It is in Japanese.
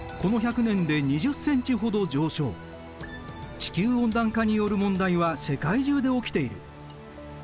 地球温暖化による問題は世界中で起きている。